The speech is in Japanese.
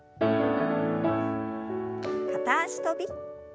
片脚跳び。